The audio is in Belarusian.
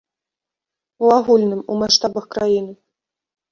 У агульным, у маштабах краіны.